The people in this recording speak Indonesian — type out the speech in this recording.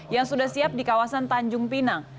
yang sudah siap di kawasan tanjung pinang